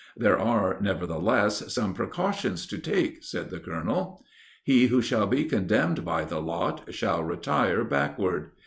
'There are, nevertheless, some precautions to take,' said the Colonel." "'He who shall be condemned by the lot, shall retire backward.